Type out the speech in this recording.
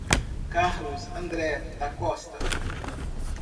Carlos André da Costa